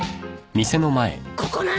ここなの！？